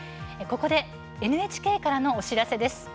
ここでＮＨＫからのお知らせです。